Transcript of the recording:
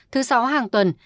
thứ sáu hàng tuần